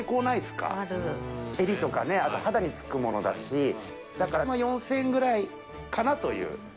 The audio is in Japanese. えりとかね、あと肌につくものだし、だから４０００円ぐらいかなという。